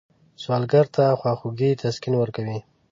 سوالګر ته خواخوږي تسکین ورکوي